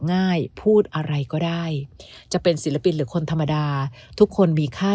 ง่ายพูดอะไรก็ได้จะเป็นศิลปินหรือคนธรรมดาทุกคนมีค่า